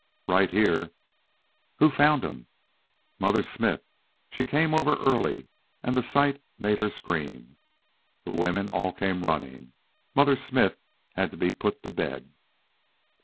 "Right here." "Who found him?" "Mother Smith. She came over early. An' the sight made her scream. The women all came runnin'. Mother Smith had to be put to bed."